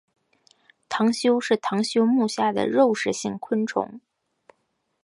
螳䗛是螳䗛目下的肉食性昆虫。